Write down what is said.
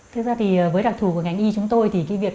thực ra thì với đặc thù của ngành y chúng tôi